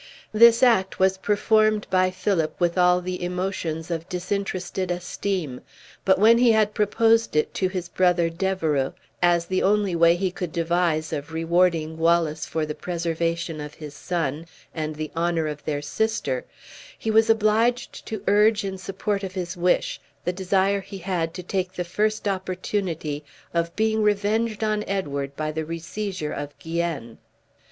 This act was performed by Philip with all the emotions of disinterested esteem. But when he had proposed it to his brother D'Evereux, as the only way he could devise of rewarding Wallace for the preservation of his son, and the honor of their sister, he was obliged to urge in support of his wish, the desire he had to take the first opportunity of being revenged on Edward by the reseizure of Guienne.